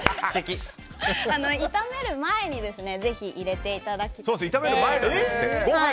炒める前にぜひ入れていただいて。